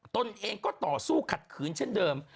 ตนเองก็ต่อสู้ขัดขืนเช่นเดิม